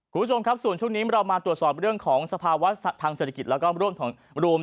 คุณผู้ชมครับสวัสดีครับ